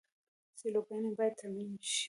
سیلوګانې باید ترمیم شي.